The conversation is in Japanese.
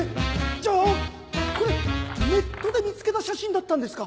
じゃあこれネットで見つけた写真だったんですか